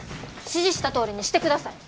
指示したとおりにしてください。